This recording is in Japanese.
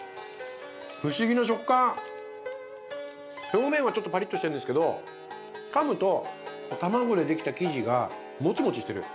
表面はちょっとパリッとしてるんですけどかむとたまごでできた生地がもちもちしてる。